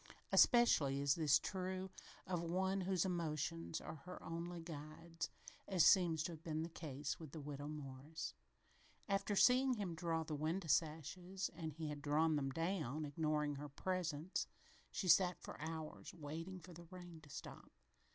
Especially is this true of one whose emotions are her only guides, as seems to have been the case with the Widow Morris. After seeing him draw the window sashes and he had drawn them down, ignoring her presence she sat for hours, waiting for the rain to stop.